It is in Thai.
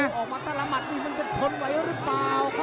ออกมาแต่ละหมัดนี่มันจะทนไหวหรือเปล่า